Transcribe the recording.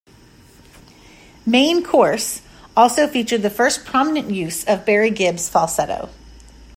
"Main Course" also featured the first prominent use of Barry Gibb's falsetto.